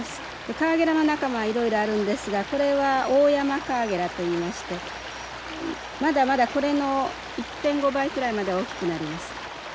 カワゲラの仲間はいろいろあるんですがこれはオオヤマカワゲラといいましてまだまだこれの１．５倍くらいまで大きくなります。